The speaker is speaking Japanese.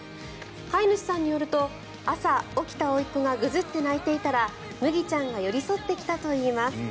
飼い主さんによると朝、起きたおいっ子がぐずって泣いていたらむぎちゃんが寄り添ってきたといいます。